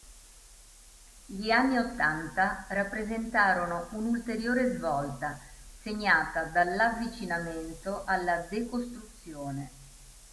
Gli anni ottanta rappresentarono un'ulteriore svolta, segnata dall'avvicinamento alla decostruzione.